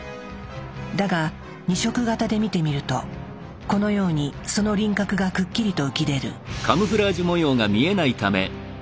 だが２色型で見てみるとこのようにその輪郭がくっきりと浮き出る。